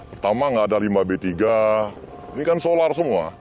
pertama nggak ada lima b tiga ini kan solar semua